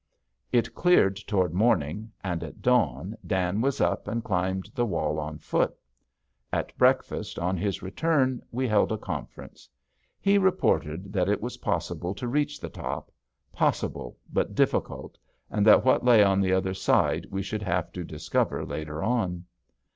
It cleared toward morning, and at dawn Dan was up and climbed the wall on foot. At breakfast, on his return, we held a conference. He reported that it was possible to reach the top possible but difficult, and that what lay on the other side we should have to discover later on.